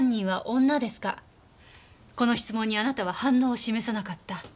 この質問にあなたは反応を示さなかった。